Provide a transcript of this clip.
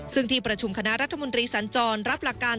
ซึ่งที่ประชุมคณะรัฐมนตรีสัญจรรับหลักการ